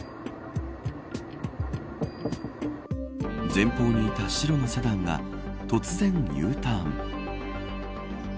前方にいた白のセダンが突然、Ｕターン。